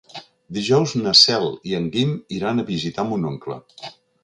Dijous na Cel i en Guim iran a visitar mon oncle.